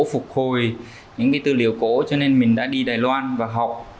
phục hồi những cái tư liệu cổ cho nên mình đã đi đài loan và học